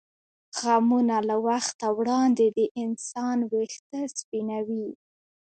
غمونه له وخته وړاندې د انسان وېښته سپینوي.